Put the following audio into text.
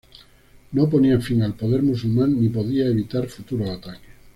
No ponía fin al poder musulmán, ni podía evitar futuros ataques.